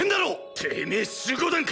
てめェ守護団か⁉